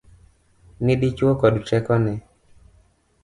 Ni dichuo kod tekone.